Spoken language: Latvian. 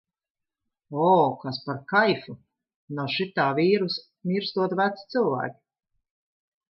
O, kas par kaifu! No šitā vīrusa mirstot vecie cilvēki.